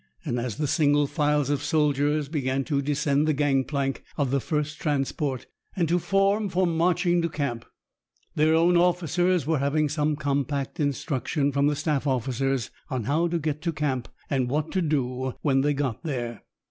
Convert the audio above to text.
And as the single files of soldiers began to descend the gang plank of the first transport, and to form for marching to camp, their own officers were having some compact instruction from the staff officers on how to get to camp and what to do when they got there.